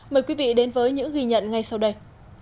mời quý vị đến với những ghi nhận ngay sau đây